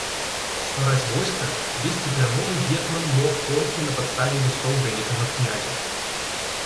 Ствараць войска, весці перамовы гетман мог толькі на падставе лістоў вялікага князя.